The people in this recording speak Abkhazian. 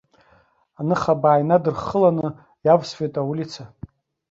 Аныхабаа инадырххыланы иавсуеит аулица.